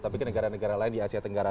tapi ke negara negara lain di asia tenggara